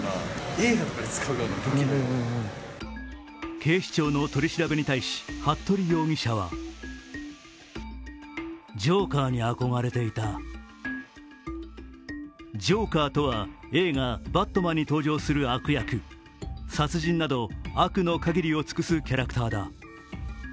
警視庁の取り調べに対し、服部容疑者はジョーカーとは映画「バットマン」に登場する悪役、殺人など悪のかぎりを尽くすキャラクターだ。